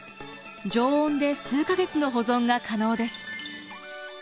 常温で数か月の保存が可能です。